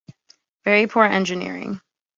Very poor Engineering.